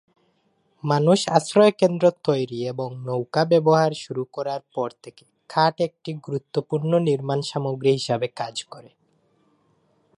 মানুষ আশ্রয়কেন্দ্র তৈরি এবং নৌকা ব্যবহার শুরু করার পর থেকে কাঠ একটি গুরুত্বপূর্ণ নির্মাণ সামগ্রী হিসাবে কাজ করে।